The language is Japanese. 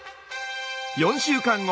４週間後。